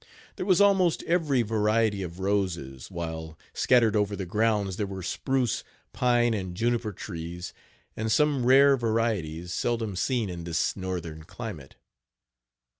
There was almost every variety of roses; while, scattered over the grounds, there were spruce, pine and juniper trees, and some rare varieties, seldom seen in this northern climate.